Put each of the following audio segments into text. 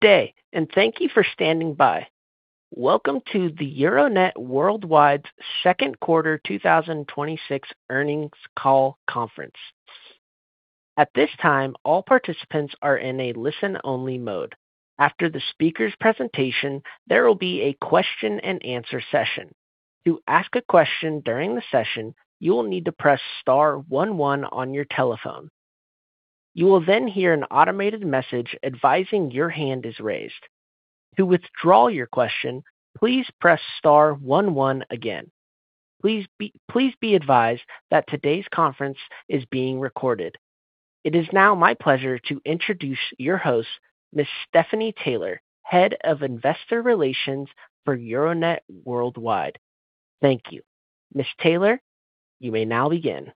Day. Thank you for standing by. Welcome to Euronet Worldwide's second quarter 2026 earnings call conference. At this time, all participants are in a listen-only mode. After the speaker's presentation, there will be a question and answer session. To ask a question during the session, you will need to press star one one on your telephone. You will then hear an automated message advising your hand is raised. To withdraw your question, please press star one one again. Please be advised that today's conference is being recorded. It is now my pleasure to introduce your host, Ms. Stephanie Taylor, Head of Investor Relations for Euronet Worldwide. Thank you. Ms. Taylor, you may now begin.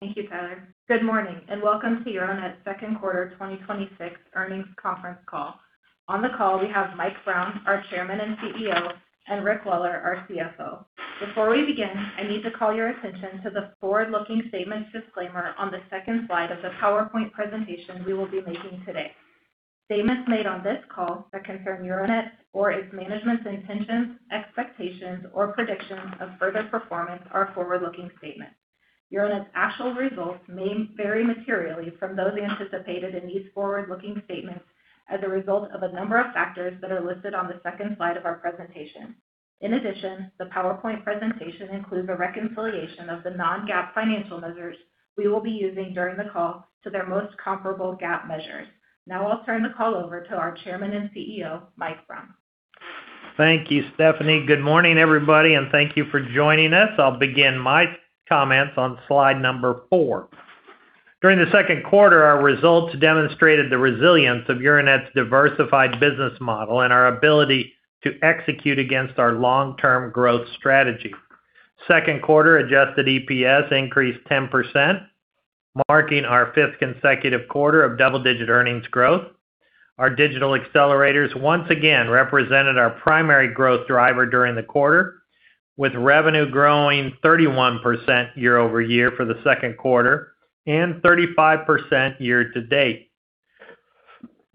Thank you, Tyler. Good morning, and welcome to Euronet's second quarter 2026 earnings conference call. On the call, we have Mike Brown, our Chairman and CEO, and Rick Weller, our CFO. Before we begin, I need to call your attention to the forward-looking statements disclaimer on the second slide of the PowerPoint presentation we will be making today. Statements made on this call that confirm Euronet or its management's intentions, expectations or predictions of further performance are forward-looking statements. Euronet's actual results may vary materially from those anticipated in these forward-looking statements as a result of a number of factors that are listed on the second slide of our presentation. In addition, the PowerPoint presentation includes a reconciliation of the non-GAAP financial measures we will be using during the call to their most comparable GAAP measures. I'll turn the call over to our Chairman and CEO, Mike Brown. Thank you, Stephanie. Good morning, everybody, and thank you for joining us. I'll begin my comments on slide number four. During the second quarter, our results demonstrated the resilience of Euronet's diversified business model and our ability to execute against our long-term growth strategy. Second quarter adjusted EPS increased 10%, marking our fifth consecutive quarter of double-digit earnings growth. Our digital accelerators once again represented our primary growth driver during the quarter, with revenue growing 31% year-over-year for the second quarter and 35% year to date.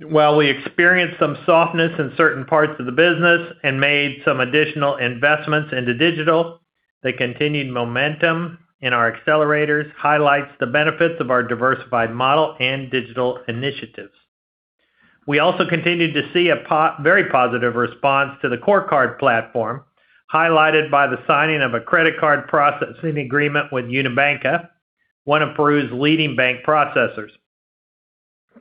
While we experienced some softness in certain parts of the business and made some additional investments into digital, the continued momentum in our accelerators highlights the benefits of our diversified model and digital initiatives. We also continued to see a very positive response to the CoreCard platform, highlighted by the signing of a credit card processing agreement with Unibanca, one of Peru's leading bank processors.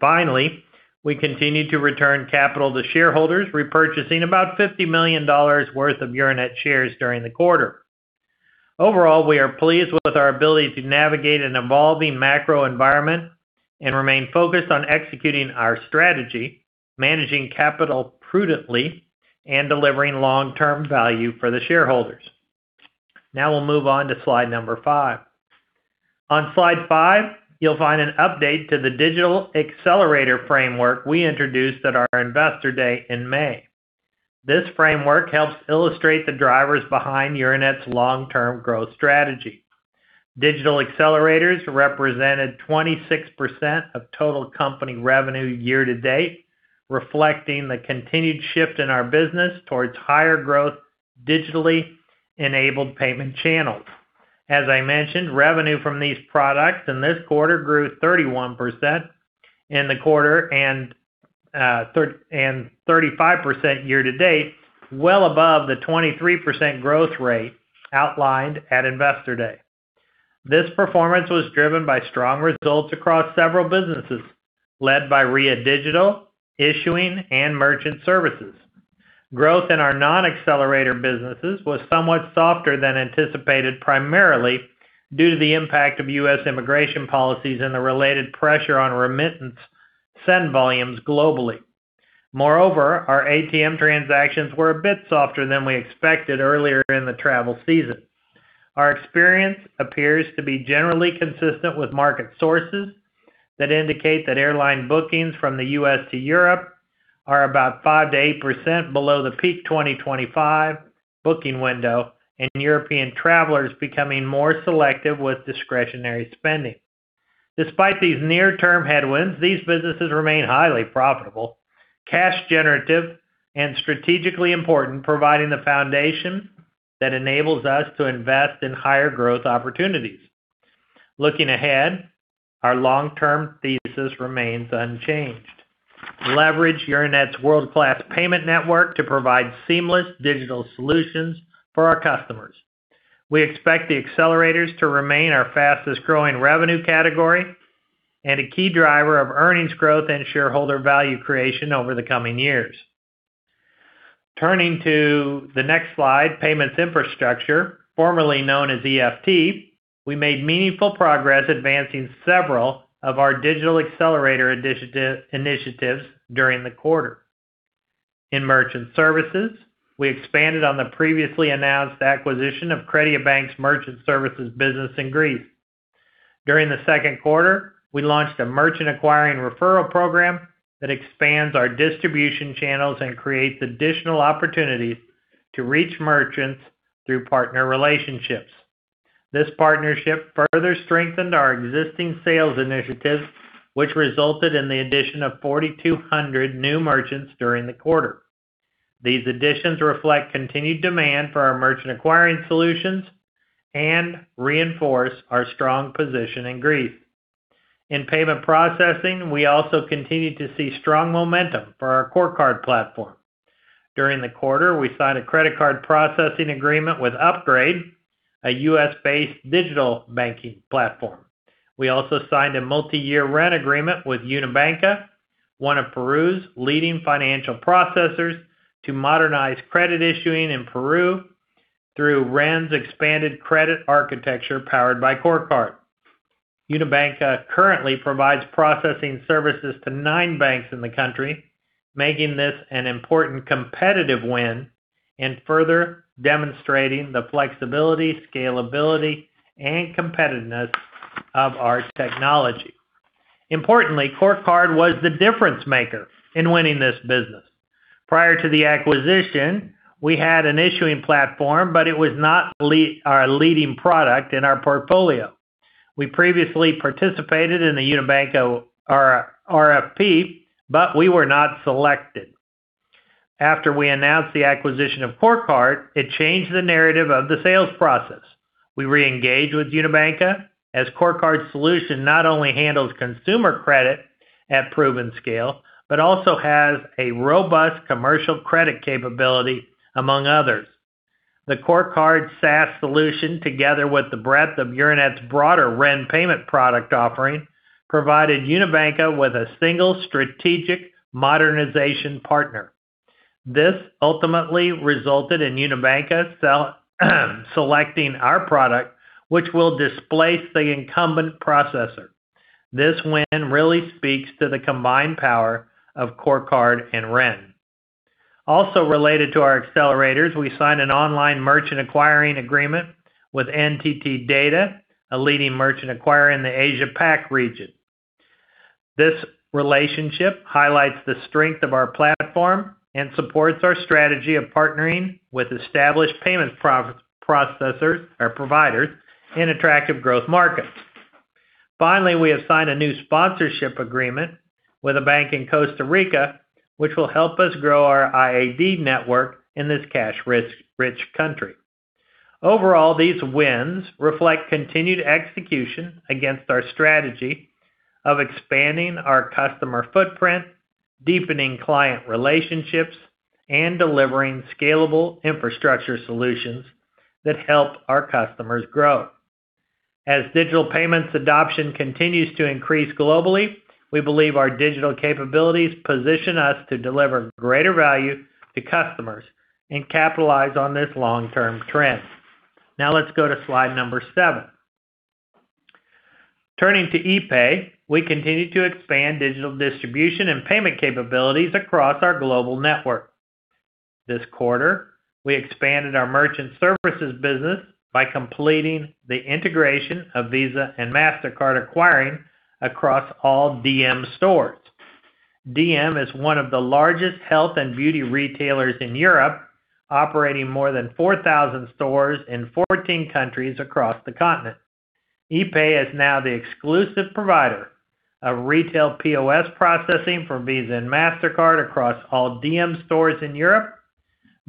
Finally, we continued to return capital to shareholders, repurchasing about $50 million worth of Euronet shares during the quarter. Overall, we are pleased with our ability to navigate an evolving macro environment and remain focused on executing our strategy, managing capital prudently and delivering long-term value for the shareholders. We'll move on to slide number five. On slide five, you'll find an update to the digital accelerator framework we introduced at our Investor Day in May. This framework helps illustrate the drivers behind Euronet's long-term growth strategy. Digital accelerators represented 26% of total company revenue year to date, reflecting the continued shift in our business towards higher growth digitally enabled payment channels. As I mentioned, revenue from these products in this quarter grew 31% in the quarter and 35% year-to-date, well above the 23% growth rate outlined at Investor Day. This performance was driven by strong results across several businesses, led by Ria Digital, Issuing, and Merchant Services. Growth in our non-accelerator businesses was somewhat softer than anticipated, primarily due to the impact of U.S. immigration policies and the related pressure on remittance send volumes globally. Moreover, our ATM transactions were a bit softer than we expected earlier in the travel season. Our experience appears to be generally consistent with market sources that indicate that airline bookings from the U.S. to Europe are about 5%-8% below the peak 2025 booking window and European travelers becoming more selective with discretionary spending. Despite these near-term headwinds, these businesses remain highly profitable, cash generative and strategically important, providing the foundation that enables us to invest in higher growth opportunities. Looking ahead, our long-term thesis remains unchanged. Leverage Euronet's world-class payment network to provide seamless digital solutions for our customers. We expect the accelerators to remain our fastest-growing revenue category and a key driver of earnings growth and shareholder value creation over the coming years. Turning to the next slide, payments infrastructure, formerly known as EFT, we made meaningful progress advancing several of our digital accelerator initiatives during the quarter. In merchant services, we expanded on the previously announced acquisition of CrediaBank's merchant services business in Greece. During the second quarter, we launched a merchant acquiring referral program that expands our distribution channels and creates additional opportunities to reach merchants through partner relationships. This partnership further strengthened our existing sales initiatives, which resulted in the addition of 4,200 new merchants during the quarter. These additions reflect continued demand for our merchant acquiring solutions and reinforce our strong position in growth. In payment processing, we also continued to see strong momentum for our CoreCard platform. During the quarter, we signed a credit card processing agreement with Upgrade, a U.S.-based digital banking platform. We also signed a multi-year Ren agreement with Unibanca, one of Peru's leading financial processors, to modernize credit issuing in Peru through Ren's expanded credit architecture powered by CoreCard. Unibanca currently provides processing services to nine banks in the country, making this an important competitive win and further demonstrating the flexibility, scalability, and competitiveness of our technology. Importantly, CoreCard was the difference-maker in winning this business. Prior to the acquisition, we had an issuing platform, but it was not our leading product in our portfolio. We previously participated in the Unibanca RFP, but we were not selected. After we announced the acquisition of CoreCard, it changed the narrative of the sales process. We reengaged with Unibanca as CoreCard's solution not only handles consumer credit at proven scale but also has a robust commercial credit capability, among others. The CoreCard SaaS solution, together with the breadth of Euronet's broader Ren payment product offering, provided Unibanca with a single strategic modernization partner. This ultimately resulted in Unibanca selecting our product, which will displace the incumbent processor. This win really speaks to the combined power of CoreCard and Ren. Also related to our accelerators, we signed an online merchant acquiring agreement with NTT Data, a leading merchant acquirer in the Asia Pac region. This relationship highlights the strength of our platform and supports our strategy of partnering with established payment providers in attractive growth markets. Finally, we have signed a new sponsorship agreement with a bank in Costa Rica, which will help us grow our IAD network in this cash-rich country. Overall, these wins reflect continued execution against our strategy of expanding our customer footprint, deepening client relationships, and delivering scalable infrastructure solutions that help our customers grow. As digital payments adoption continues to increase globally, we believe our digital capabilities position us to deliver greater value to customers and capitalize on this long-term trend. Now let's go to slide number seven. Turning to epay, we continue to expand digital distribution and payment capabilities across our global network. This quarter, we expanded our merchant services business by completing the integration of Visa and Mastercard acquiring across all dm stores. dm is one of the largest health and beauty retailers in Europe, operating more than 4,000 stores in 14 countries across the continent. epay is now the exclusive provider of retail POS processing for Visa and Mastercard across all dm stores in Europe,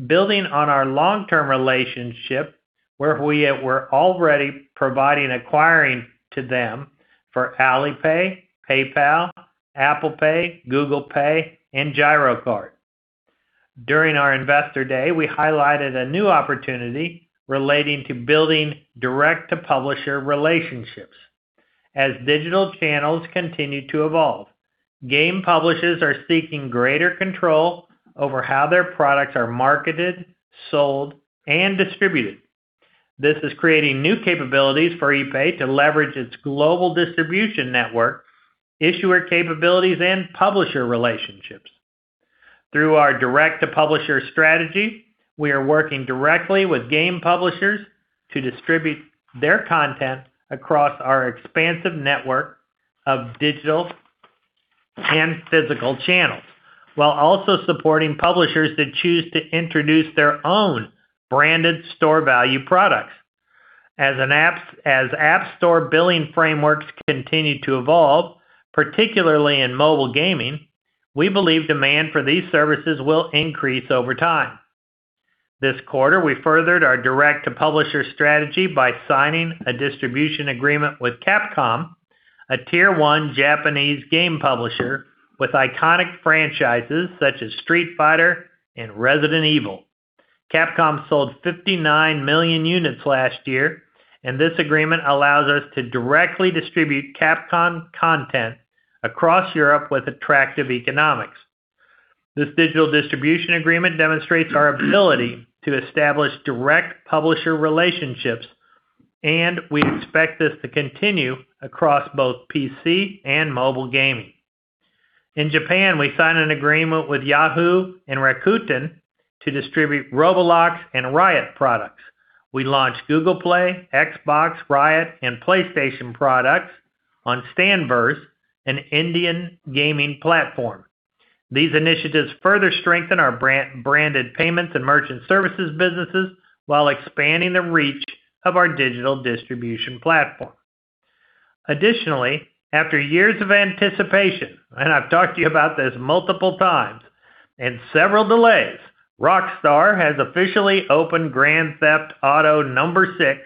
building on our long-term relationship where we were already providing acquiring to them for Alipay, PayPal, Apple Pay, Google Pay, and girocard. During our investor day, we highlighted a new opportunity relating to building direct-to-publisher relationships. As digital channels continue to evolve, game publishers are seeking greater control over how their products are marketed, sold, and distributed. This is creating new capabilities for epay to leverage its global distribution network, issuer capabilities, and publisher relationships. Through our direct-to-publisher strategy, we are working directly with game publishers to distribute their content across our expansive network of digital and physical channels, while also supporting publishers that choose to introduce their own branded store value products. As app store billing frameworks continue to evolve, particularly in mobile gaming, we believe demand for these services will increase over time. This quarter, we furthered our direct-to-publisher strategy by signing a distribution agreement with Capcom, a tier-1 Japanese game publisher with iconic franchises such as Street Fighter and Resident Evil. Capcom sold 59 million units last year, and this agreement allows us to directly distribute Capcom content across Europe with attractive economics. This digital distribution agreement demonstrates our ability to establish direct publisher relationships, and we expect this to continue across both PC and mobile gaming. In Japan, we signed an agreement with Yahoo and Rakuten to distribute Roblox and Riot products. We launched Google Play, Xbox, Riot, and PlayStation products on Stanverse, an Indian gaming platform. These initiatives further strengthen our branded payments and merchant services businesses while expanding the reach of our digital distribution platform. Additionally, after years of anticipation, and I've talked to you about this multiple times, and several delays, Rockstar has officially opened Grand Theft Auto VI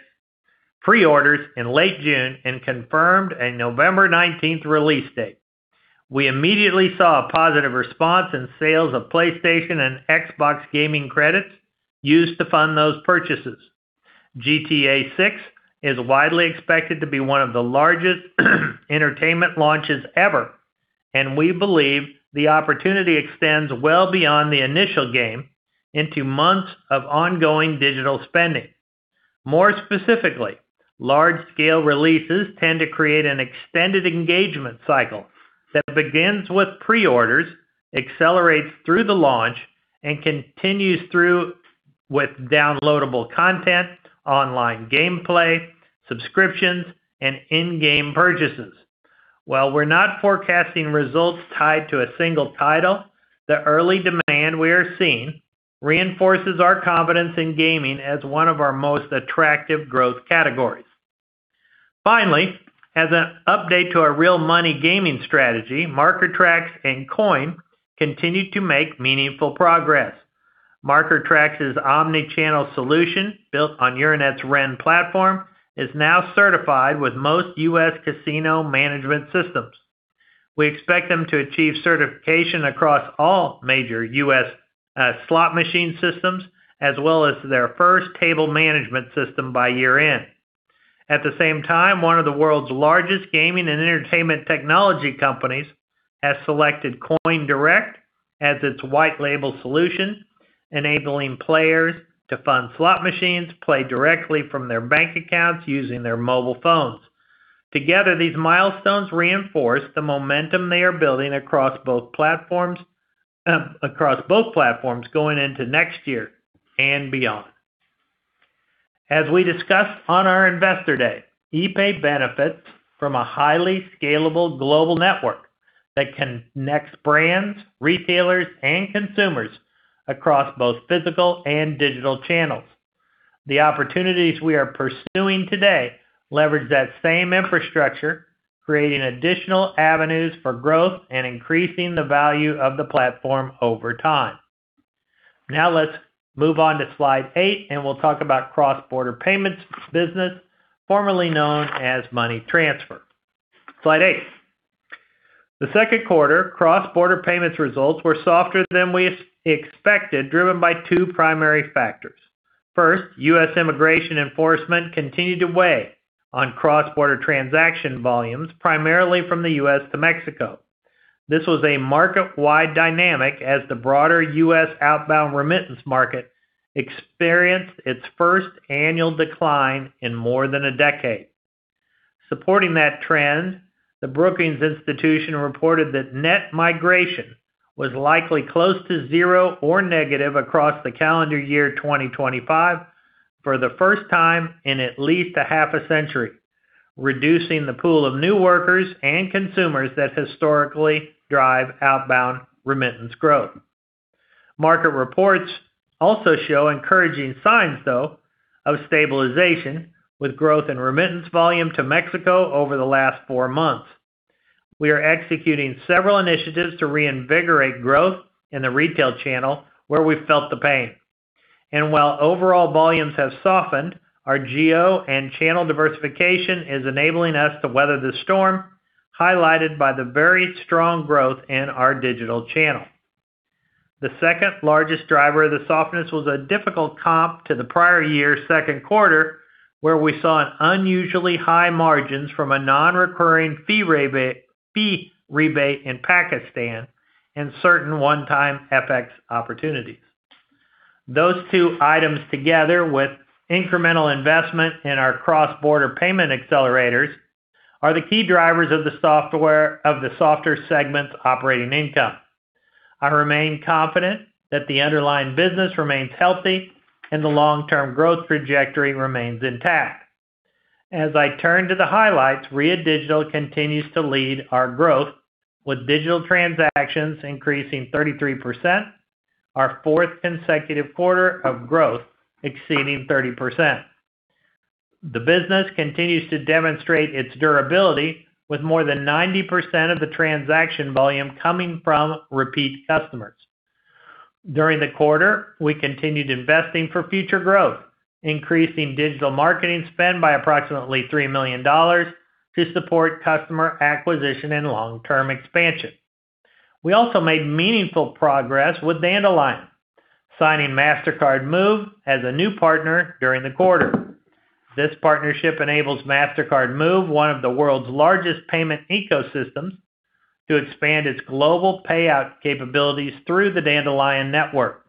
pre-orders in late June and confirmed a November 19th release date. We immediately saw a positive response in sales of PlayStation and Xbox gaming credits used to fund those purchases. GTA VI is widely expected to be one of the largest entertainment launches ever, we believe the opportunity extends well beyond the initial game into months of ongoing digital spending. More specifically, large-scale releases tend to create an extended engagement cycle that begins with pre-orders, accelerates through the launch, continues through with downloadable content, online gameplay, subscriptions, and in-game purchases. While we're not forecasting results tied to a single title, the early demand we are seeing reinforces our confidence in gaming as one of our most attractive growth categories. Finally, as an update to our real money gaming strategy, Marker Trax and Koin continue to make meaningful progress. Marker Trax's omni-channel solution, built on Euronet's Ren platform, is now certified with most U.S. casino management systems. We expect them to achieve certification across all major U.S. slot machine systems as well as their first table management system by year-end. At the same time, one of the world's largest gaming and entertainment technology companies has selected Coin Direct as its white label solution, enabling players to fund slot machines, play directly from their bank accounts using their mobile phones. Together, these milestones reinforce the momentum they are building across both platforms going into next year and beyond. As we discussed on our investor day, epay benefits from a highly scalable global network that connects brands, retailers, and consumers across both physical and digital channels. The opportunities we are pursuing today leverage that same infrastructure, creating additional avenues for growth and increasing the value of the platform over time. Now let's move on to slide eight and we'll talk about cross-border payments business formerly known as money transfer. Slide eight. The second quarter cross-border payments results were softer than we expected, driven by two primary factors. First, U.S. immigration enforcement continued to weigh on cross-border transaction volumes, primarily from the U.S. to Mexico. This was a market-wide dynamic as the broader U.S. outbound remittance market experienced its first annual decline in more than a decade. Supporting that trend, the Brookings Institution reported that net migration was likely close to zero or negative across the calendar year 2025 for the first time in at least a half a century, reducing the pool of new workers and consumers that historically drive outbound remittance growth. Market reports also show encouraging signs, though, of stabilization, with growth in remittance volume to Mexico over the last four months. We are executing several initiatives to reinvigorate growth in the retail channel where we felt the pain. While overall volumes have softened, our geo and channel diversification is enabling us to weather the storm, highlighted by the very strong growth in our digital channel. The second-largest driver of the softness was a difficult comp to the prior year's second quarter, where we saw unusually high margins from a non-recurring fee rebate in Pakistan and certain one-time FX opportunities. Those two items, together with incremental investment in our cross-border payment accelerators, are the key drivers of the softer segment's operating income. I remain confident that the underlying business remains healthy and the long-term growth trajectory remains intact. As I turn to the highlights, Ria Digital continues to lead our growth, with digital transactions increasing 33%, our fourth consecutive quarter of growth exceeding 30%. The business continues to demonstrate its durability, with more than 90% of the transaction volume coming from repeat customers. During the quarter, we continued investing for future growth, increasing digital marketing spend by approximately $3 million to support customer acquisition and long-term expansion. We also made meaningful progress with Dandelion, signing Mastercard Move as a new partner during the quarter. This partnership enables Mastercard Move, one of the world's largest payment ecosystems, to expand its global payout capabilities through the Dandelion network.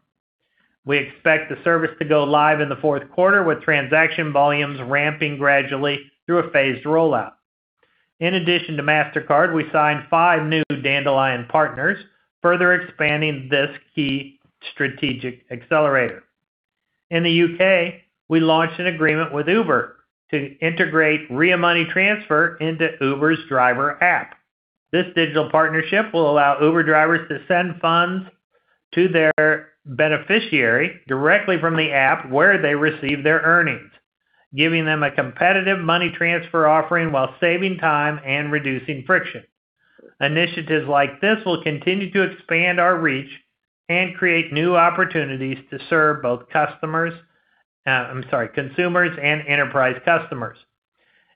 We expect the service to go live in the fourth quarter, with transaction volumes ramping gradually through a phased rollout. In addition to Mastercard, we signed five new Dandelion partners, further expanding this key strategic accelerator. In the U.K., we launched an agreement with Uber to integrate Ria Money Transfer into Uber's driver app. This digital partnership will allow Uber drivers to send funds to their beneficiary directly from the app where they receive their earnings, giving them a competitive money transfer offering while saving time and reducing friction. Initiatives like this will continue to expand our reach and create new opportunities to serve both consumers and enterprise customers.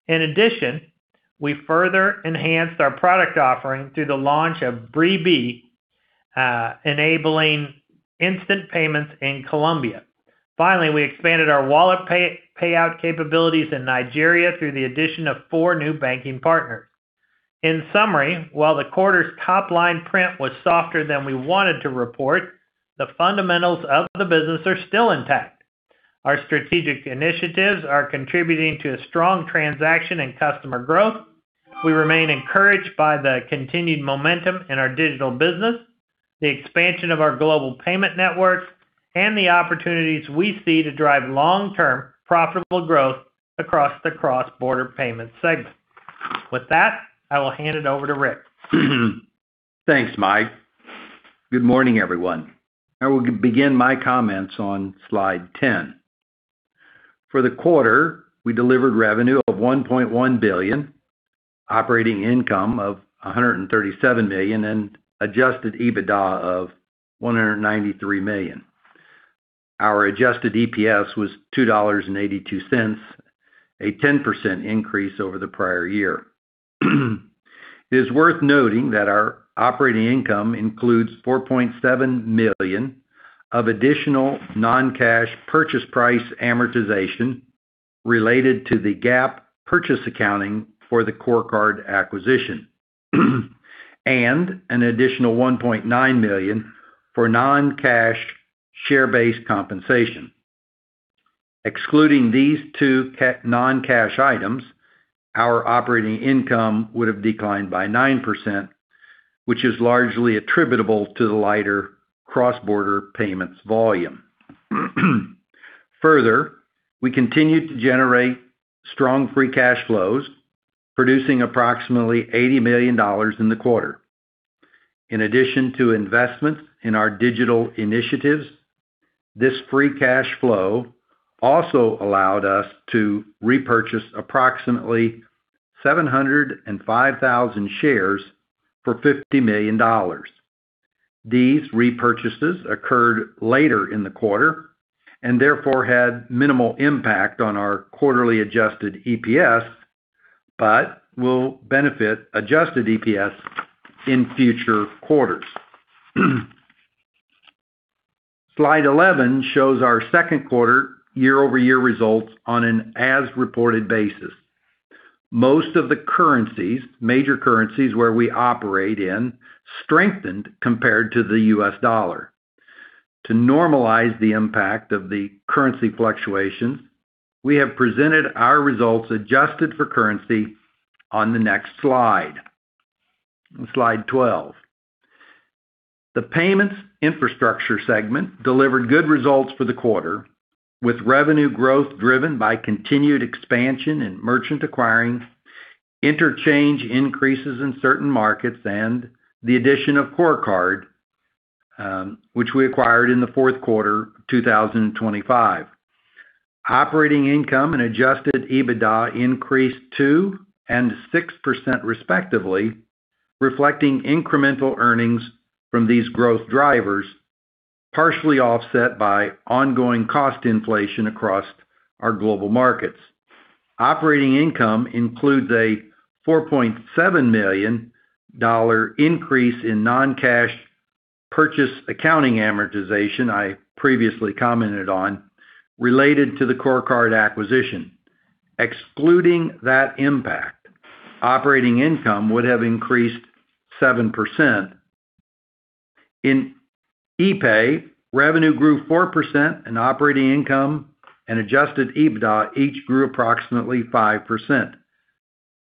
In addition, we further enhanced our product offering through the launch of BriQ, enabling instant payments in Colombia. Finally, we expanded our wallet payout capabilities in Nigeria through the addition of four new banking partners. In summary, while the quarter's top-line print was softer than we wanted to report, the fundamentals of the business are still intact. Our strategic initiatives are contributing to a strong transaction in customer growth. We remain encouraged by the continued momentum in our digital business, the expansion of our global payment networks, and the opportunities we see to drive long-term profitable growth across the cross-border payment segment. With that, I will hand it over to Rick. Thanks, Mike. Good morning, everyone. I will begin my comments on slide 10. For the quarter, we delivered revenue of $1.1 billion, operating income of $137 million, and adjusted EBITDA of $193 million. Our adjusted EPS was $2.82, a 10% increase over the prior year. It is worth noting that our operating income includes $4.7 million of additional non-cash purchase price amortization related to the GAAP purchase accounting for the CoreCard acquisition and an additional $1.9 million for non-cash share-based compensation. Excluding these two non-cash items, our operating income would have declined by 9%, which is largely attributable to the lighter cross-border payments volume. Further, we continued to generate strong free cash flows, producing approximately $80 million in the quarter. In addition to investments in our digital initiatives, this free cash flow also allowed us to repurchase approximately 705,000 shares for $50 million. These repurchases occurred later in the quarter and therefore had minimal impact on our quarterly adjusted EPS, but will benefit adjusted EPS in future quarters. Slide 11 shows our second quarter year-over-year results on an as-reported basis. Most of the major currencies where we operate in strengthened compared to the US dollar. To normalize the impact of the currency fluctuations, we have presented our results adjusted for currency on the next slide. On slide 12. The payments infrastructure segment delivered good results for the quarter, with revenue growth driven by continued expansion in merchant acquiring, interchange increases in certain markets, and the addition of CoreCard, which we acquired in the fourth quarter of 2025. Operating income and adjusted EBITDA increased 2% and 6% respectively, reflecting incremental earnings from these growth drivers, partially offset by ongoing cost inflation across our global markets. Operating income includes a $4.7 million increase in non-cash purchase accounting amortization I previously commented on, related to the CoreCard acquisition. Excluding that impact, operating income would have increased 7%. In epay, revenue grew 4%, and operating income and adjusted EBITDA each grew approximately 5%.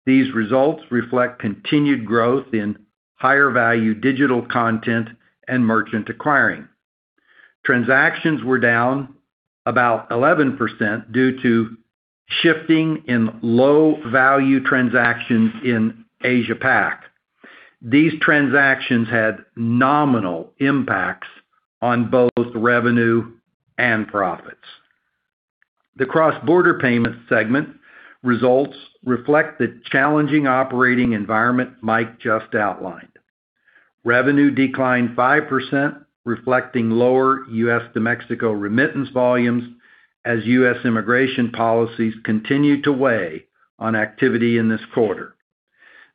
These results reflect continued growth in higher-value digital content and merchant acquiring. Transactions were down about 11% due to shifting in low-value transactions in Asia-Pac. These transactions had nominal impacts on both revenue and profits. The cross-border payments segment results reflect the challenging operating environment Mike just outlined. Revenue declined 5%, reflecting lower U.S. to Mexico remittance volumes as U.S. immigration policies continued to weigh on activity in this quarter.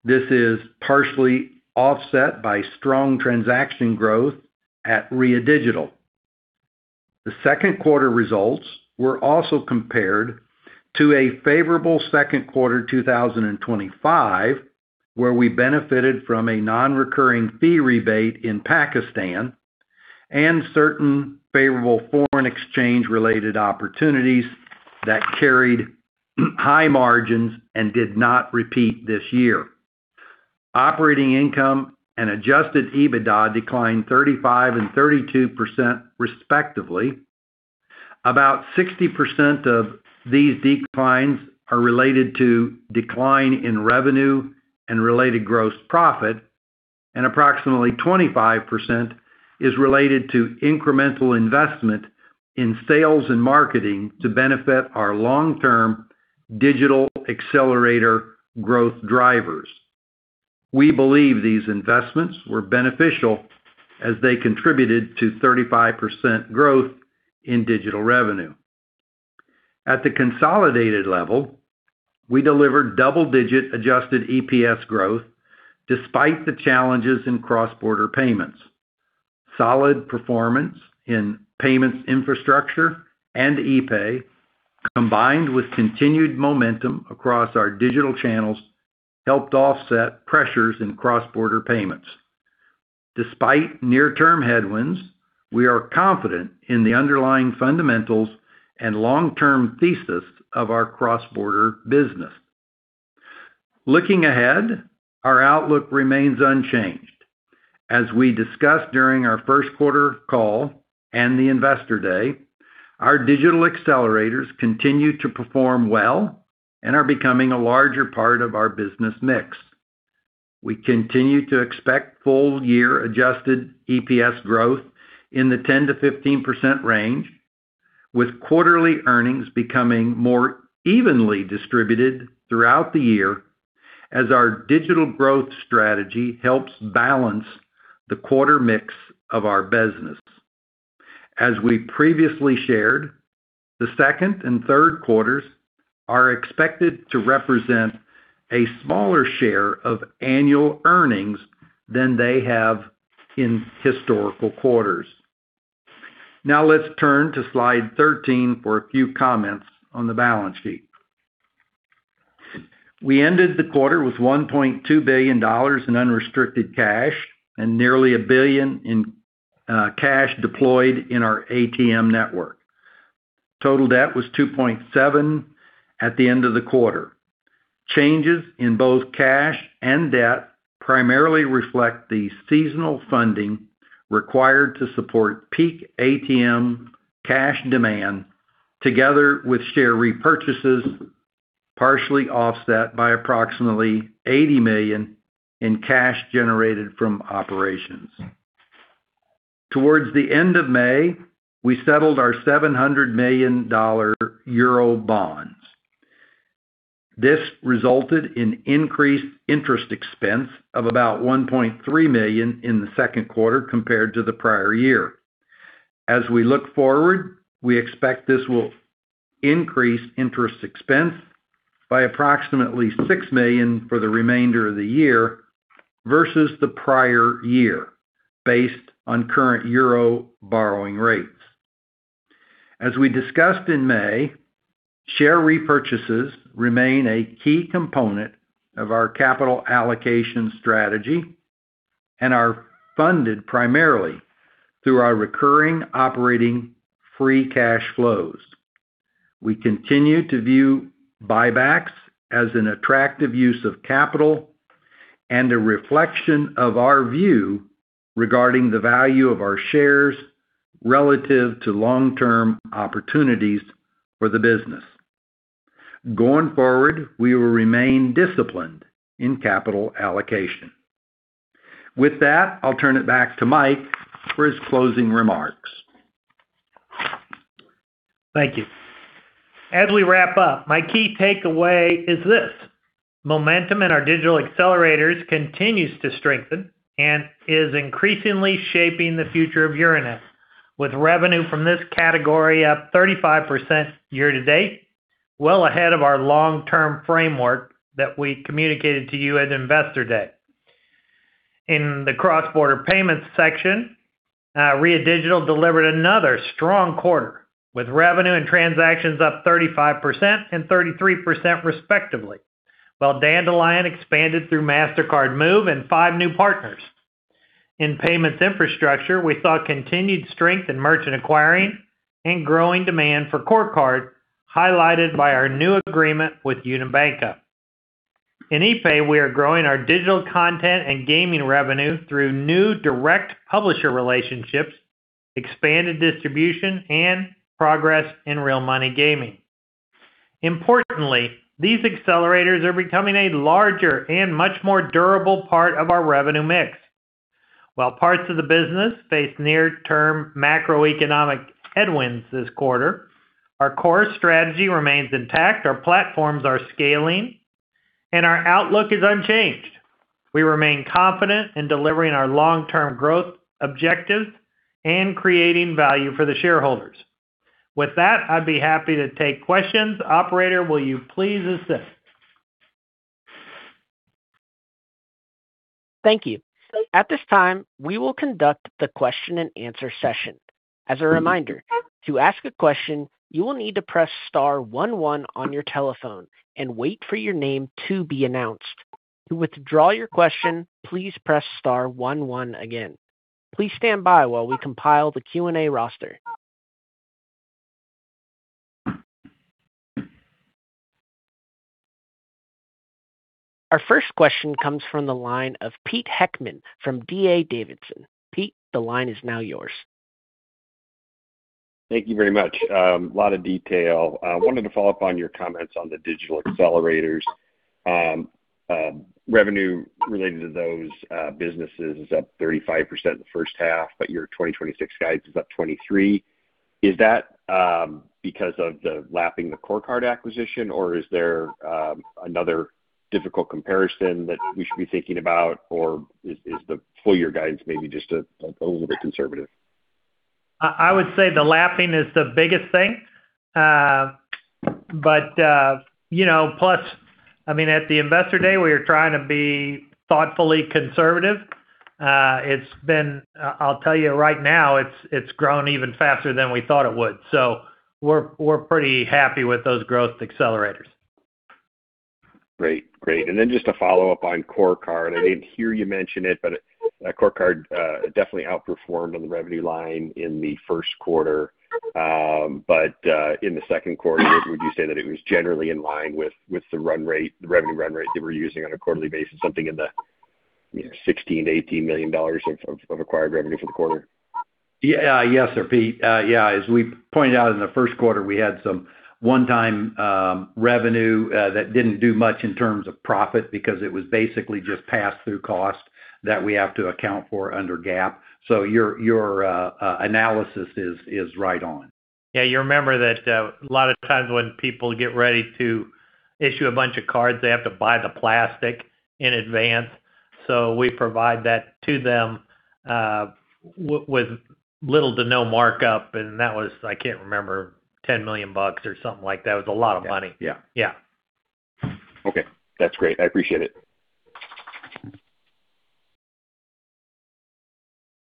This is partially offset by strong transaction growth at Ria Digital. The second quarter results were also compared to a favorable second quarter 2025, where we benefited from a non-recurring fee rebate in Pakistan and certain favorable foreign exchange-related opportunities that carried high margins and did not repeat this year. Operating income and adjusted EBITDA declined 35% and 32% respectively. About 60% of these declines are related to decline in revenue and related gross profit, and approximately 25% is related to incremental investment in sales and marketing to benefit our long-term digital accelerator growth drivers. We believe these investments were beneficial as they contributed to 35% growth in digital revenue. At the consolidated level, we delivered double-digit adjusted EPS growth despite the challenges in cross-border payments. Solid performance in payments infrastructure and epay, combined with continued momentum across our digital channels, helped offset pressures in cross-border payments. Despite near-term headwinds, we are confident in the underlying fundamentals and long-term thesis of our cross-border business. Looking ahead, our outlook remains unchanged. As we discussed during our first quarter call and the Investor Day, our digital accelerators continue to perform well and are becoming a larger part of our business mix. We continue to expect full-year adjusted EPS growth in the 10%-15% range, with quarterly earnings becoming more evenly distributed throughout the year as our digital growth strategy helps balance the quarter mix of our business. As we previously shared, the second and third quarters are expected to represent a smaller share of annual earnings than they have in historical quarters. Now let's turn to slide 13 for a few comments on the balance sheet. We ended the quarter with $1.2 billion in unrestricted cash and nearly $1 billion in cash deployed in our ATM network. Total debt was $2.7 at the end of the quarter. Changes in both cash and debt primarily reflect the seasonal funding required to support peak ATM cash demand, together with share repurchases, partially offset by approximately $80 million in cash generated from operations. Towards the end of May, we settled our 700 million euro bonds. This resulted in increased interest expense of about $1.3 million in the second quarter compared to the prior year. As we look forward, we expect this will increase interest expense by approximately $6 million for the remainder of the year versus the prior year, based on current EUR borrowing rates. As we discussed in May, share repurchases remain a key component of our capital allocation strategy and are funded primarily through our recurring operating free cash flows. We continue to view buybacks as an attractive use of capital and a reflection of our view regarding the value of our shares relative to long-term opportunities for the business. Going forward, we will remain disciplined in capital allocation. With that, I'll turn it back to Mike for his closing remarks. Thank you. As we wrap up, my key takeaway is this: momentum in our digital accelerators continues to strengthen and is increasingly shaping the future of Euronet, with revenue from this category up 35% year-to-date, well ahead of our long-term framework that we communicated to you at Investor Day. In the cross-border payments section, Ria Digital delivered another strong quarter, with revenue and transactions up 35% and 33% respectively, while Dandelion expanded through Mastercard Move and five new partners. In payments infrastructure, we saw continued strength in merchant acquiring and growing demand for CoreCard, highlighted by our new agreement with Unibanca. In epay, we are growing our digital content and gaming revenue through new direct publisher relationships, expanded distribution, and progress in real money gaming. Importantly, these accelerators are becoming a larger and much more durable part of our revenue mix. While parts of the business face near-term macroeconomic headwinds this quarter, our core strategy remains intact, our platforms are scaling, and our outlook is unchanged. We remain confident in delivering our long-term growth objectives and creating value for the shareholders. With that, I'd be happy to take questions. Operator, will you please assist? Thank you. At this time, we will conduct the question and answer session. As a reminder, to ask a question, you will need to press star one one on your telephone and wait for your name to be announced. To withdraw your question, please press star one one again. Please stand by while we compile the Q&A roster. Our first question comes from the line of Pete Heckmann from D.A. Davidson. Pete, the line is now yours. Thank you very much. A lot of detail. I wanted to follow up on your comments on the digital accelerators. Revenue related to those businesses is up 35% in the first half, but your 2026 guidance is up 23%. Is that because of the lapping the CoreCard acquisition, or is there another difficult comparison that we should be thinking about, or is the full year guidance maybe just a little bit conservative? I would say the lapping is the biggest thing. Plus, at the Investor Day, we were trying to be thoughtfully conservative. I'll tell you right now, it's grown even faster than we thought it would. We're pretty happy with those growth accelerators. Great. Just to follow up on CoreCard. I didn't hear you mention it, CoreCard definitely outperformed on the revenue line in the first quarter. In the second quarter, would you say that it was generally in line with the revenue run rate that we're using on a quarterly basis, something in the $16 million-$18 million of acquired revenue for the quarter? Yes, sir, Pete. As we pointed out in the first quarter, we had some one-time revenue that didn't do much in terms of profit because it was basically just pass-through cost that we have to account for under GAAP. Your analysis is right on. Yeah. You remember that a lot of times when people get ready to issue a bunch of cards, they have to buy the plastic in advance. We provide that to them with little to no markup. That was, I can't remember, $10 million or something like that. It was a lot of money. Yeah. Yeah. Okay. That's great. I appreciate it.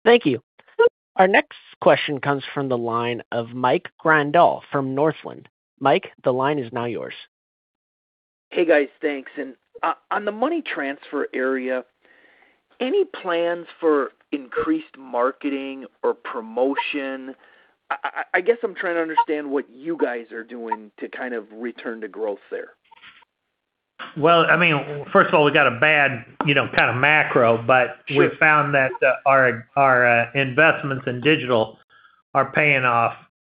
Thank you. Our next question comes from the line of Mike Grondahl from Northland. Mike, the line is now yours. Hey, guys. Thanks. On the money transfer area, any plans for increased marketing or promotion? I guess I'm trying to understand what you guys are doing to kind of return to growth there. Well, first of all, we got a bad kind of macro. Sure We've found that our investments in digital are paying off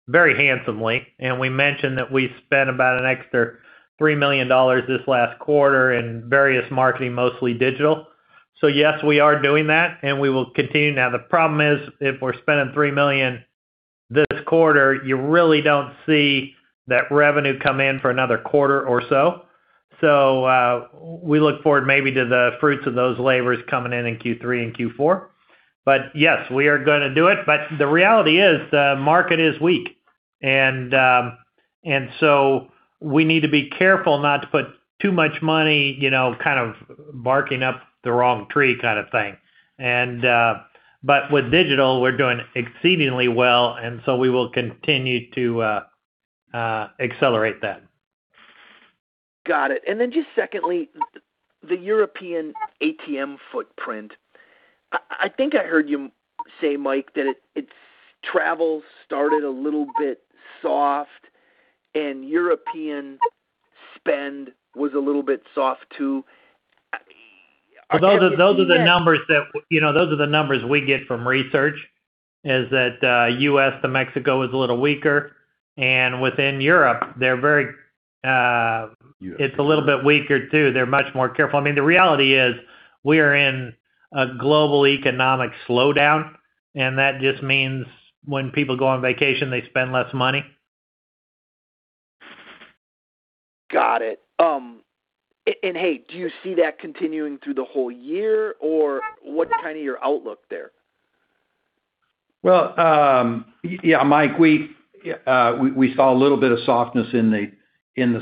very handsomely. We mentioned that we spent about an extra $3 million this last quarter in various marketing, mostly digital. Yes, we are doing that, and we will continue. Now, the problem is, if we're spending $3 million this quarter, you really don't see that revenue come in for another quarter or so. We look forward maybe to the fruits of those labors coming in in Q3 and Q4. Yes, we are going to do it. The reality is, the market is weak. We need to be careful not to put too much money kind of barking up the wrong tree kind of thing. With digital, we're doing exceedingly well, and we will continue to accelerate that. Got it. Just secondly, the European ATM footprint. I think I heard you say, Mike, that travel started a little bit soft and European spend was a little bit soft, too. Those are the numbers we get from research, is that U.S. to Mexico is a little weaker, within Europe, it's a little bit weaker, too. They're much more careful. The reality is we are in a global economic slowdown, that just means when people go on vacation, they spend less money. Got it. Hey, do you see that continuing through the whole year, or what's kind of your outlook there? Well, yeah, Mike, we saw a little bit of softness in the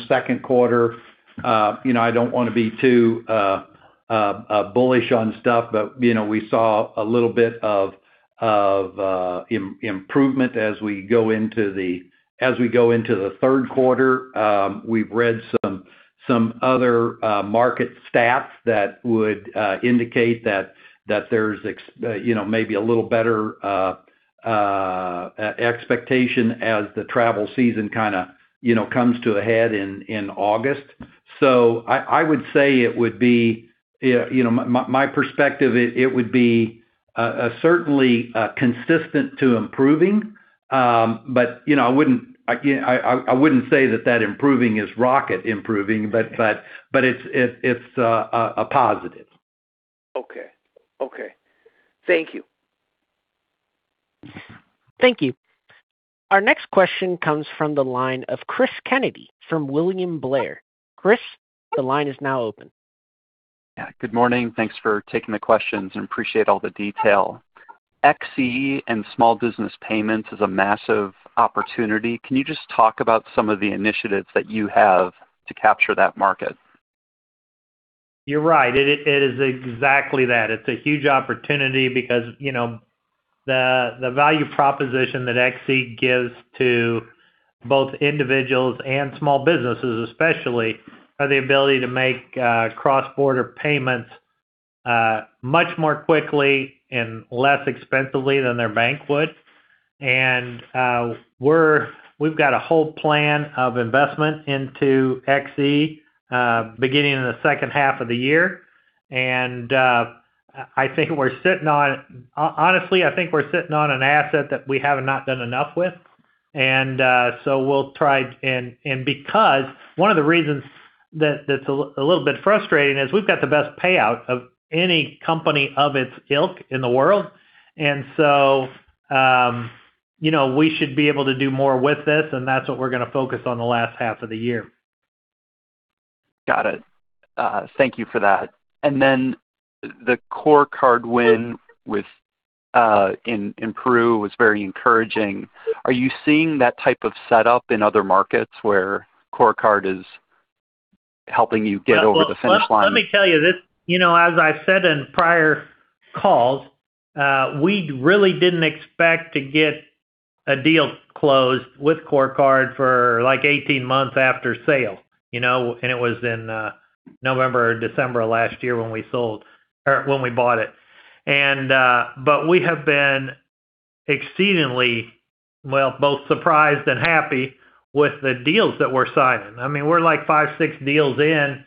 second quarter. I don't want to be too bullish on stuff, but we saw a little bit of improvement as we go into the third quarter. We've read some other market stats that would indicate that there's maybe a little better expectation as the travel season kind of comes to a head in August. I would say my perspective, it would be certainly consistent to improving. I wouldn't say that that improving is rocket improving, but it's a positive. Okay. Thank you. Thank you. Our next question comes from the line of Chris Kennedy from William Blair. Chris, the line is now open. Yeah. Good morning. Thanks for taking the questions and appreciate all the detail. XE and small business payments is a massive opportunity. Can you just talk about some of the initiatives that you have to capture that market? You're right. It is exactly that. It's a huge opportunity because the value proposition that XE gives to both individuals and small businesses, especially, are the ability to make cross-border payments much more quickly and less expensively than their bank would. We've got a whole plan of investment into XE beginning in the second half of the year. Honestly, I think we're sitting on an asset that we have not done enough with. Because one of the reasons that's a little bit frustrating is we've got the best payout of any company of its ilk in the world. We should be able to do more with this, and that's what we're going to focus on the last half of the year. Got it. Thank you for that. Then the CoreCard win in Peru was very encouraging. Are you seeing that type of setup in other markets where CoreCard is helping you get over the finish line? Well, let me tell you this. As I've said in prior calls, we really didn't expect to get a deal closed with CoreCard for 18 months after sale. It was in November or December of last year when we bought it. We have been exceedingly both surprised and happy with the deals that we're signing. We're five, six deals in,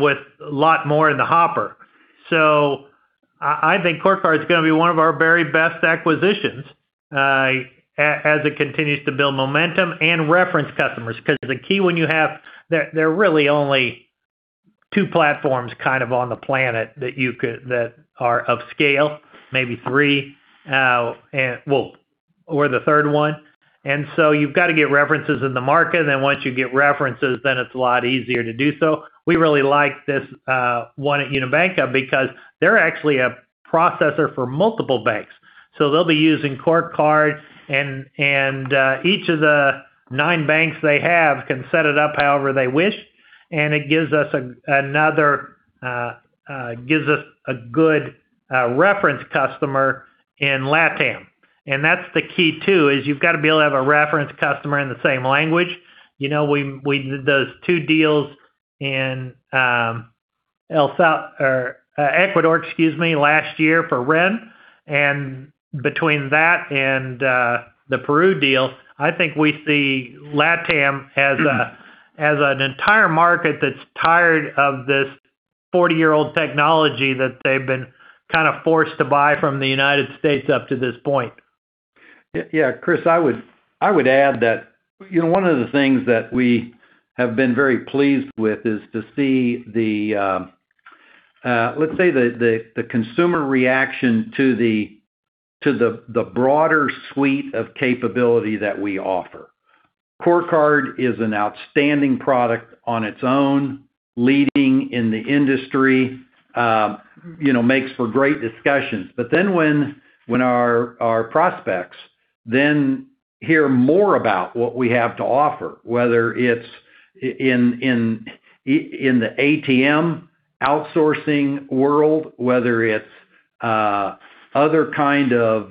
with a lot more in the hopper. I think CoreCard is going to be one of our very best acquisitions as it continues to build momentum and reference customers. There are really only two platforms kind of on the planet that are of scale, maybe three. We're the third one. You've got to get references in the market, then once you get references, then it's a lot easier to do so. We really like this one at Unibanca because they're actually a processor for multiple banks. They'll be using CoreCard and each of the nine banks they have can set it up however they wish, and it gives us a good reference customer in LatAm. That's the key too, is you've got to be able to have a reference customer in the same language. We did those two deals in Ecuador last year for Ren. Between that and the Peru deal, I think we see LatAm as an entire market that's tired of this 40-year-old technology that they've been kind of forced to buy from the U.S. up to this point. Yeah. Chris, I would add that one of the things that we have been very pleased with is to see, let's say the consumer reaction to the broader suite of capability that we offer. CoreCard is an outstanding product on its own, leading in the industry, makes for great discussions. When our prospects then hear more about what we have to offer, whether it's in the ATM outsourcing world, whether it's other kind of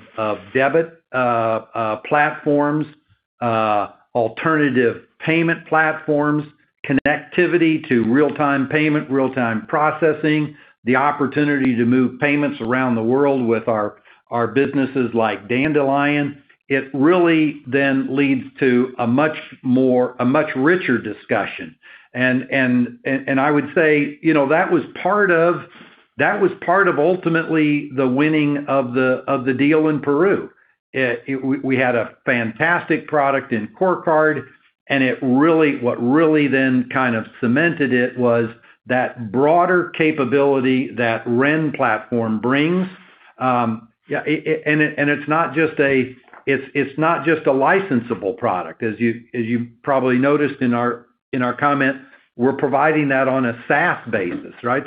debit platforms, alternative payment platforms, connectivity to real-time payment, real-time processing, the opportunity to move payments around the world with our businesses like Dandelion, it really then leads to a much richer discussion. I would say that was part of ultimately the winning of the deal in Peru. We had a fantastic product in CoreCard, what really then kind of cemented it was that broader capability that Ren platform brings. It's not just a licensable product. As you probably noticed in our comment, we're providing that on a SaaS basis, right?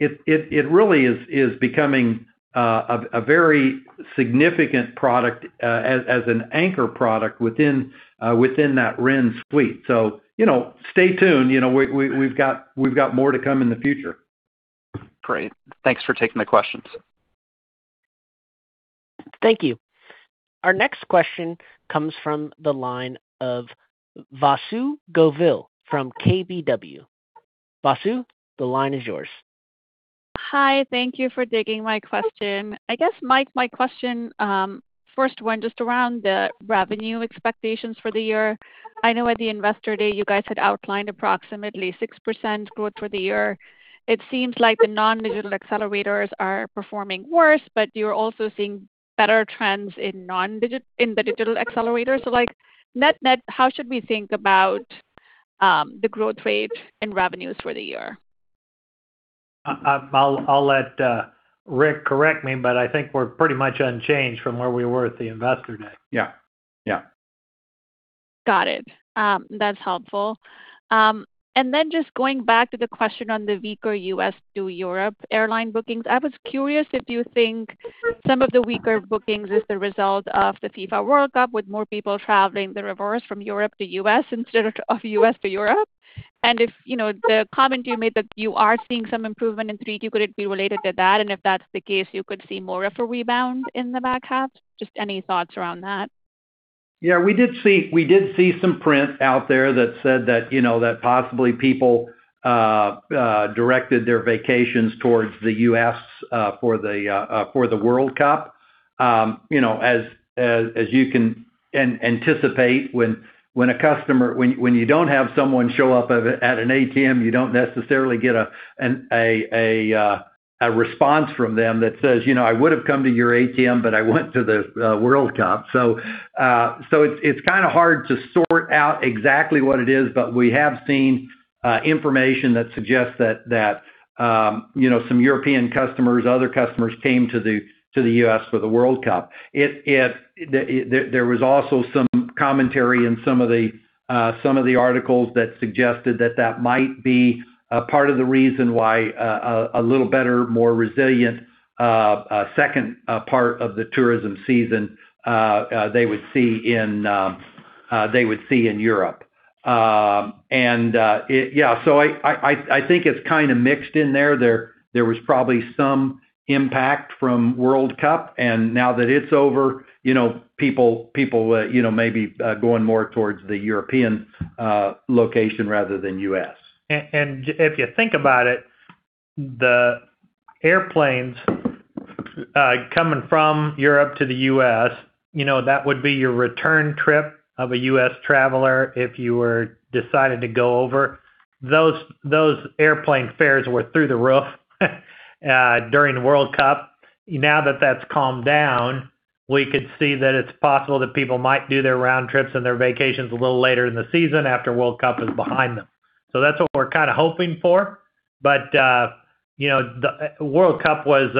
It really is becoming a very significant product as an anchor product within that Ren suite. Stay tuned, we've got more to come in the future. Great. Thanks for taking the questions. Thank you. Our next question comes from the line of Vasu Govil from KBW. Vasu, the line is yours. Hi, thank you for taking my question. I guess, Mike, my question, first one, just around the revenue expectations for the year. I know at the Investor Day, you guys had outlined approximately 6% growth for the year. It seems like the non-digital accelerators are performing worse, but you're also seeing better trends in the digital accelerators. Net, how should we think about the growth rate and revenues for the year? I'll let Rick correct me, I think we're pretty much unchanged from where we were at the Investor Day. Yeah. Got it. That's helpful. Just going back to the question on the weaker U.S. to Europe airline bookings, I was curious if you think some of the weaker bookings is the result of the FIFA World Cup, with more people traveling the reverse from Europe to U.S. instead of U.S. to Europe? If the comment you made that you are seeing some improvement in 3Q, could it be related to that? If that's the case, you could see more of a rebound in the back half? Just any thoughts around that. We did see some print out there that said that possibly people directed their vacations towards the U.S. for the World Cup. As you can anticipate, when you don't have someone show up at an ATM, you don't necessarily get a response from them that says, "I would have come to your ATM, but I went to the World Cup." It's kind of hard to sort out exactly what it is, but we have seen information that suggests that some European customers, other customers, came to the U.S. for the World Cup. There was also some commentary in some of the articles that suggested that that might be a part of the reason why a little better, more resilient second part of the tourism season they would see in Europe. Yeah. I think it's kind of mixed in there. There was probably some impact from World Cup. Now that it's over, people may be going more towards the European location rather than U.S. If you think about it, the airplanes coming from Europe to the U.S., that would be your return trip of a U.S. traveler if you decided to go over. Those airplane fares were through the roof during the World Cup. Now that that's calmed down, we could see that it's possible that people might do their round trips and their vacations a little later in the season after World Cup is behind them. That's what we're kind of hoping for. The World Cup was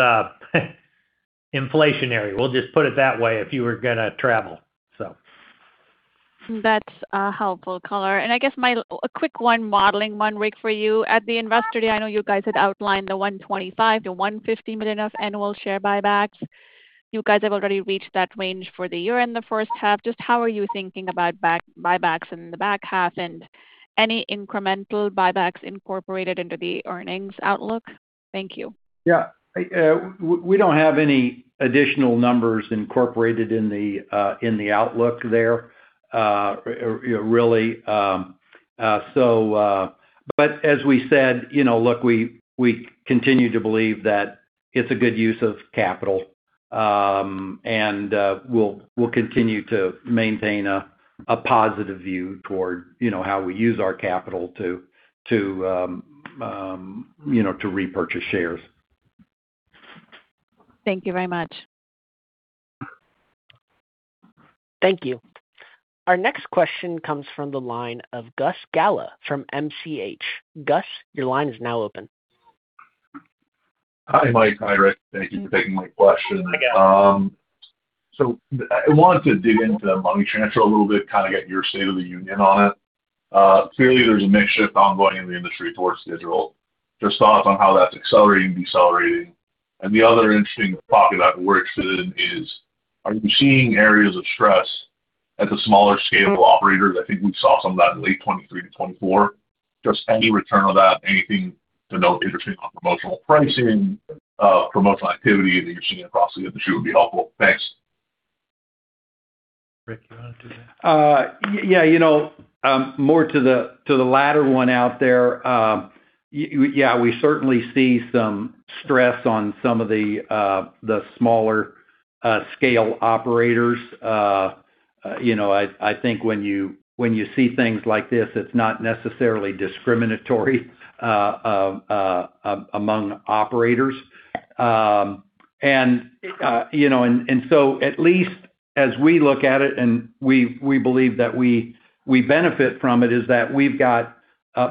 inflationary, we'll just put it that way, if you were going to travel. That's helpful, color. I guess a quick one, modeling one, Rick, for you. At the Investor Day, I know you guys had outlined the $125 million-$150 million of annual share buybacks. You guys have already reached that range for the year in the first half. Just how are you thinking about buybacks in the back half, and any incremental buybacks incorporated into the earnings outlook? Thank you. Yeah. We don't have any additional numbers incorporated in the outlook there, really. As we said, look, we continue to believe that it's a good use of capital. We'll continue to maintain a positive view toward how we use our capital to repurchase shares. Thank you very much. Thank you. Our next question comes from the line of Gus Galá from MCH. Gus, your line is now open. Hi, Mike. Hi, Rick. Thank you for taking my question. Hi, Gus. I wanted to dig into money transfer a little bit, kind of get your state of the union on it. Clearly, there's a mix shift ongoing in the industry towards digital. Just thoughts on how that's accelerating, decelerating. The other interesting topic that we're interested in is, are you seeing areas of stress at the smaller scale operators? I think we saw some of that in late 2023 to 2024. Just any return on that, anything to note interesting on promotional pricing, promotional activity that you're seeing across the industry would be helpful. Thanks. Rick, you want to do that? Yeah. More to the latter one out there. Yeah, we certainly see some stress on some of the smaller scale operators. I think when you see things like this, it's not necessarily discriminatory among operators. At least as we look at it, and we believe that we benefit from it, is that we've got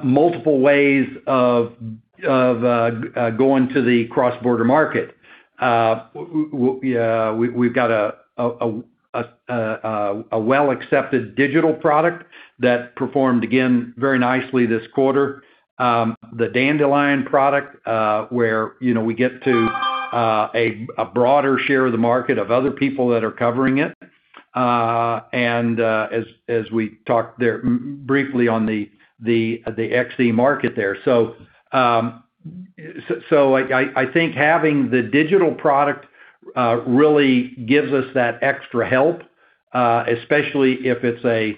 multiple ways of going to the cross-border market. We've got a well-accepted digital product that performed, again, very nicely this quarter. The Dandelion product, where we get to a broader share of the market of other people that are covering it, and as we talked there briefly on the XE market there. I think having the digital product really gives us that extra help, especially if it's a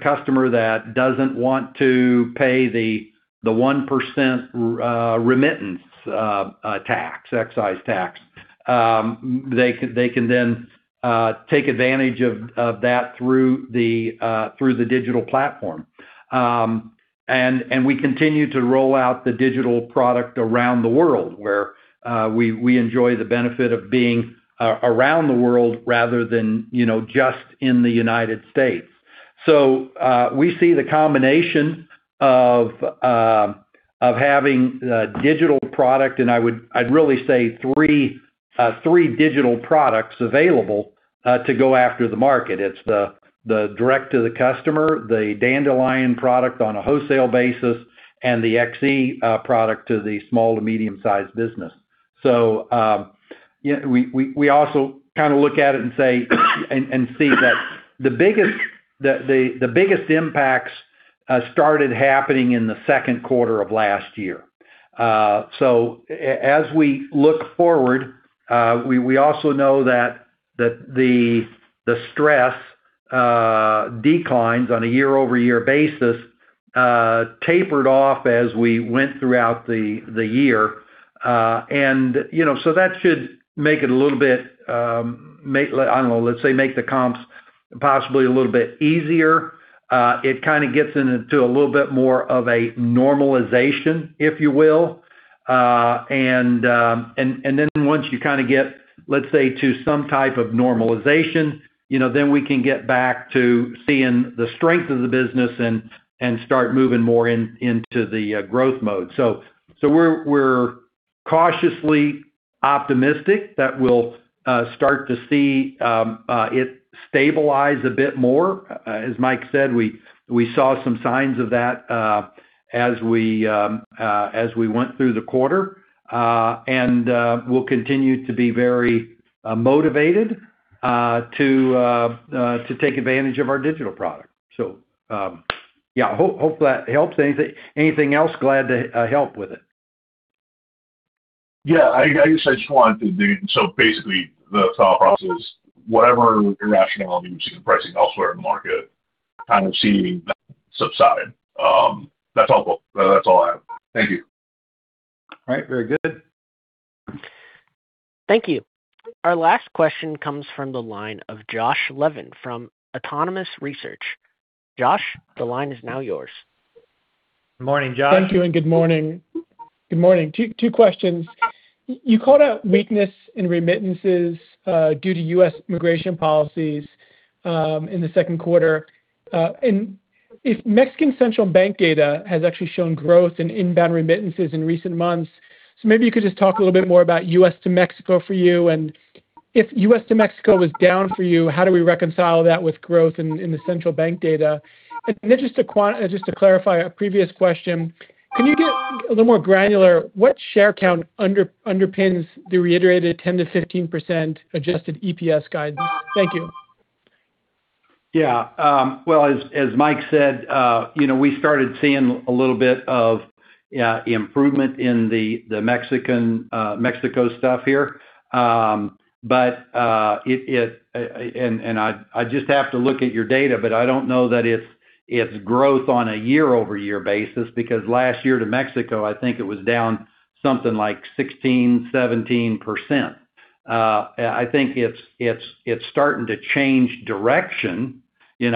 customer that doesn't want to pay the 1% remittance tax, excise tax. They can then take advantage of that through the digital platform. We continue to roll out the digital product around the world, where we enjoy the benefit of being around the world rather than just in the U.S. We see the combination of having a digital product, and I'd really say three digital products available to go after the market. It's the direct to the customer, the Dandelion product on a wholesale basis, and the XE product to the small to medium-sized business. We also kind of look at it and see that the biggest impacts started happening in the second quarter of last year. As we look forward, we also know that the stress declines on a year-over-year basis tapered off as we went throughout the year. That should make it a little bit, I don't know, let's say make the comps possibly a little bit easier. It kind of gets into a little bit more of a normalization, if you will. Once you kind of get, let's say, to some type of normalization, then we can get back to seeing the strength of the business and start moving more into the growth mode. We're cautiously optimistic that we'll start to see it stabilize a bit more. As Mike said, we saw some signs of that as we went through the quarter. We'll continue to be very motivated to take advantage of our digital product. Yeah, hope that helps. Anything else, glad to help with it. Yeah. I guess I just wanted to basically, the thought process, whatever irrationality we've seen in pricing elsewhere in the market, kind of seeing that subside. That's helpful. That's all I have. Thank you. All right. Very good. Thank you. Our last question comes from the line of Josh Levin from Autonomous Research. Josh, the line is now yours. Morning, Josh. Thank you. Good morning. Two questions. You called out weakness in remittances due to U.S. immigration policies in the second quarter. If Mexican central bank data has actually shown growth in inbound remittances in recent months, maybe you could just talk a little bit more about U.S. to Mexico for you, and if U.S. to Mexico was down for you, how do we reconcile that with growth in the central bank data? Then just to clarify a previous question, can you get a little more granular what share count underpins the reiterated 10%-15% adjusted EPS guidance? Thank you. Well, as Mike said, we started seeing a little bit of improvement in the Mexico stuff here. I'd just have to look at your data, but I don't know that it's growth on a year-over-year basis because last year to Mexico, I think it was down something like 16%-17%. I think it's starting to change direction. It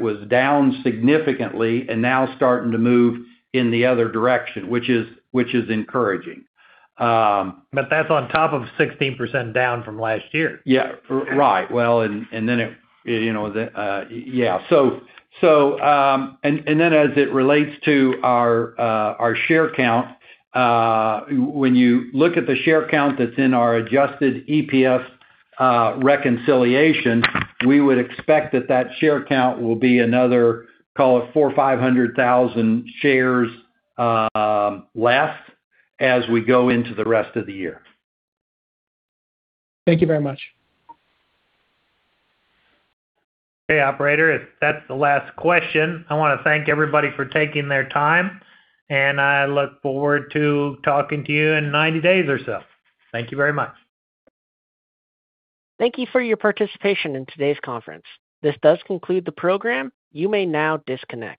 was down significantly and now starting to move in the other direction, which is encouraging. That's on top of 16% down from last year. As it relates to our share count, when you look at the share count that's in our adjusted EPS reconciliation, we would expect that that share count will be another, call it 400,000-500,000 shares less as we go into the rest of the year. Thank you very much. Okay, operator, if that's the last question, I want to thank everybody for taking their time. I look forward to talking to you in 90 days or so. Thank you very much. Thank you for your participation in today's conference. This does conclude the program. You may now disconnect.